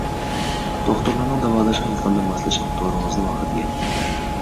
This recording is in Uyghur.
دوختۇرلارنىڭ داۋالىشىغا يېقىندىن ماسلىشىڭ، دورىڭىزنى ۋاقتىدا يەڭ.